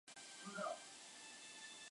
出身于崎玉县。